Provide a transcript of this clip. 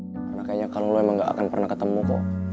karena kayaknya kalo lu emang gak akan pernah ketemu kok